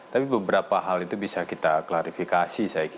tapi beberapa hal itu bisa kita klarifikasi